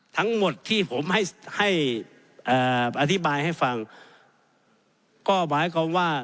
ทั้งหมดที่ผมให้ให้อธิบายให้ฟังก็หมายความว่า